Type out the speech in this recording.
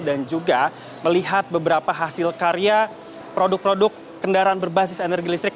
dan juga melihat beberapa hasil karya produk produk kendaraan berbasis energi listrik